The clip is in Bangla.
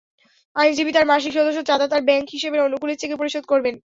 আইনজীবী তাঁর মাসিক সদস্য চাঁদা তাঁর ব্যাংক হিসাবের অনুকূলে চেকে পরিশোধ করবেন।